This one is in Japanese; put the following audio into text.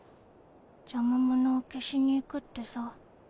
邪魔者を消しに行くってさ。